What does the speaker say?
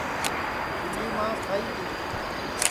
ٻیلی ماس کھائی گی